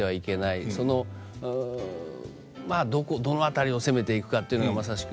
そのどの辺りを攻めていくかっていうのがまさしく。